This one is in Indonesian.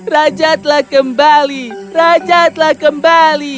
raja telah kembali raja telah kembali